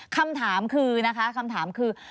คำถามคือนะคะคำถามคือ